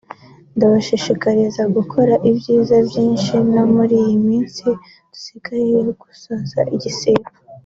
ndabashishikariza gukora ibyiza byinshi no muri iyi minsi dusigaje yo gusoza igisibo